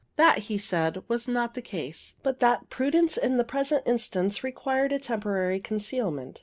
That, he said, was not the case, but that prudence in the present instance required a temporary concealment.